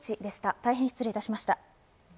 大変失礼いたしました。